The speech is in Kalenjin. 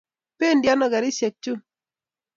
Pendi ano karisyek chun?